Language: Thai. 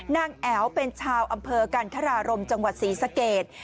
แอ๋วเป็นชาวอำเภอกันธรารมจังหวัดศรีสเกต